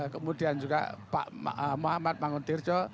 kemudian juga pak muhammad manguntirjo